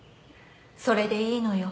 それでいいのよ。